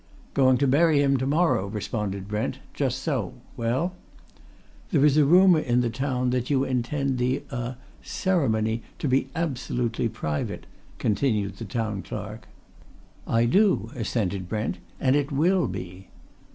"Going to bury him to morrow," responded Brent. "Just so well?" "There is a rumour in the town that you intend the er ceremony to be absolutely private," continued the Town Clerk. "I do," assented Brent. "And it will be!"